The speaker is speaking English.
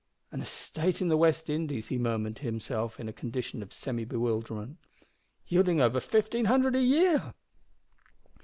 "An estate in the West Indies," he murmured to himself in a condition of semi bewilderment, "yielding over fifteen hundred a year!"